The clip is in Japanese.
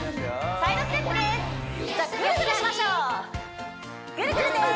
サイドステップですじゃあぐるぐるしましょうぐるぐるです